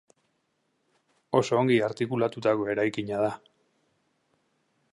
Oso ongi artikulatutako eraikina da.